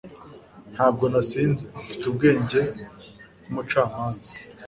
Ntabwo nasinze. Mfite ubwenge nkumucamanza.